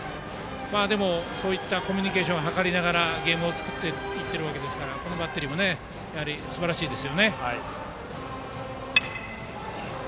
そういったコミュニケーションを図りながらゲームを作っていっているわけですからこのバッテリーもすばらしいです。